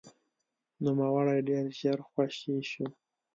نوموړی ډېر ژر خوشې شو.